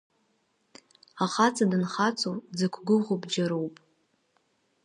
Ахаҵа данхаҵоу, дзықәгәыӷуа бџьароуп.